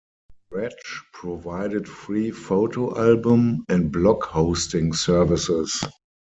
Wretch provided free photo album, and blog hosting services.